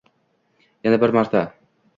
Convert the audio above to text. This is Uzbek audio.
Yana bir marta...